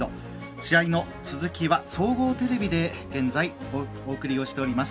試合の続きは総合テレビで現在お送りをしております。